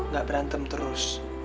gak berantem terus